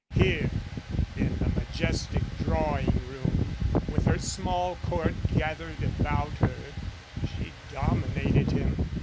Here in the majestic drawing room, with her small court gathered about her, she dominated him.